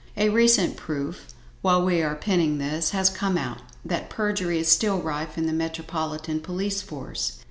A more recent proof, while we are penning this, has come out, that perjury is still rife in the Metropolitan police force.